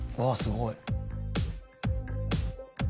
あっすごい。